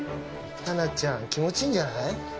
ハナちゃん気持ちいいんじゃない？